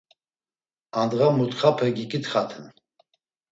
Andğa mutxape giǩitxaten.